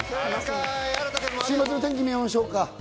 週末の天気を見ましょうか。